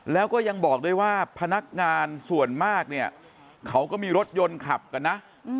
แล้วก็ยังบอกด้วยว่าพนักงานส่วนมากเนี่ยเขาก็มีรถยนต์ขับกันนะ